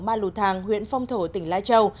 ma lù thàng huyện phong thổ tỉnh lai châu